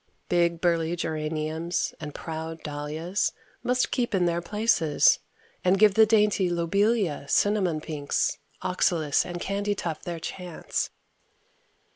Big burly geraniums and proud dahlias must keep in their places and give the dainty lobelia, cinnamon pinks, oxalis and candy tuft their chance.